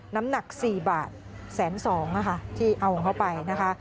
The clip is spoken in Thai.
น้ำหนัก๔บาทแสน๒ที่เอาเข้าไปนะฮะ